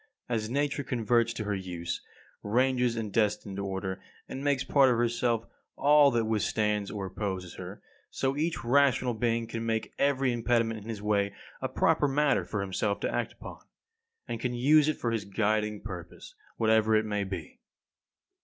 As Nature converts to her use, ranges in destined order, and makes part of herself all that withstands or opposes her; so each rational being can make every impediment in his way a proper matter for himself to act upon, and can use it for his guiding purpose, whatever it may be.